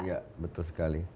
iya betul sekali